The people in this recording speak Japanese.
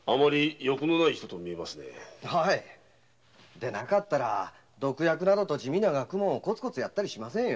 でなかったら「毒薬」などの地味な学問をコツコツやったりしませんよ。